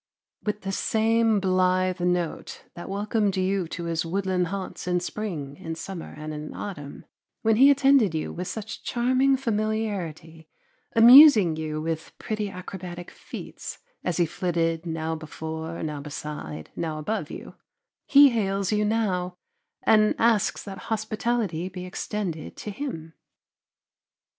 With the same blithe note that welcomed you to his woodland haunts in spring, in summer, and in autumn, when he attended you with such charming familiarity, amusing you with pretty acrobatic feats, as he flitted now before, now beside, now above you, he hails you now, and asks that hospitality be extended to him.